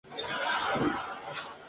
Constituye la tercera era del Eón Arcaico.